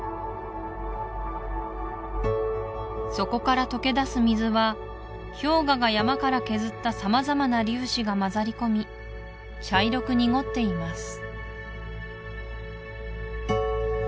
そこからとけだす水は氷河が山から削った様々な粒子が混ざりこみ茶色く濁っています